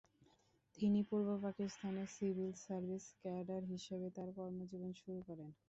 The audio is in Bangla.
তিনি পূর্ব পাকিস্তানের সিভিল সার্ভিস ক্যাডার হিসেবে তার কর্মজীবন শুরু করেন।